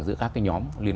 giữa các nhóm